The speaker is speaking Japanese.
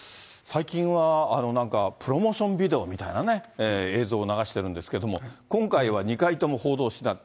最近はなんかプロモーションビデオみたいなね、映像を流してるんですけれども、今回は２回とも報道してない。